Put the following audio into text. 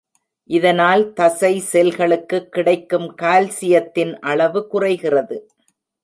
இதனால் தசை செல்களுக்குக் கிடக்கும் கால்சியத்தின் அளவு குறைகிறது.